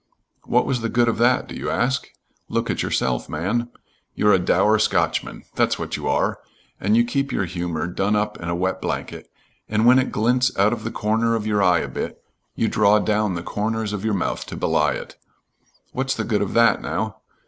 What was the good of that, do you ask? Look at yourself, man. You're a dour Scotchman, that's what you are, and you keep your humor done up in a wet blanket, and when it glints out of the corner of your eye a bit, you draw down the corners of your mouth to belie it. What's the good of that, now?